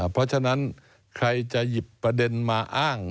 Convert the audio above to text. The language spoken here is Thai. เพราะฉะนั้นใครจะหยิบประเด็นมาอ้าง